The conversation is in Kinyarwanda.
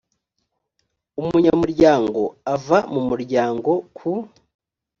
umunyamuryango ava mu muryango ku